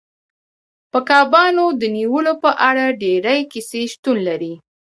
د کبانو د نیولو په اړه ډیرې کیسې شتون لري